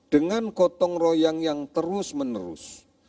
dengan gotong royang yang terus menerus